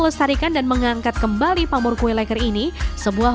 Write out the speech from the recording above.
juga sangat berpengalaman dalam merancang masakannya